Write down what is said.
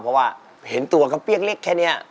เพราะว่าเห็นตัวก็เปียกเล็กแค่นี้